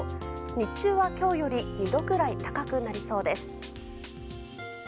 日中は今日より２度くらい高くなりそうです。